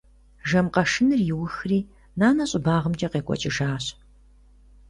Жэм къэшыныр иухри, нанэ щӏыбагъымкӏэ къекӏуэкӏыжащ.